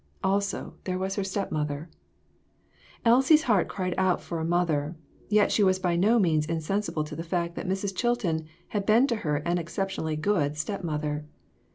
Also, there was her step mother. Elsie's heart cried out for a mother, yet she was by no means insensible to the fact that Mrs. Chilton had been to her an exception ally good step mother.